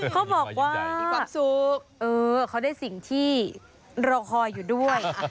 เขาบอกว่าเขาได้สิ่งที่รอคอยอยู่ด้วย